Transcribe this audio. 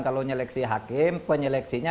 kalau nyeleksi hakim penyeleksinya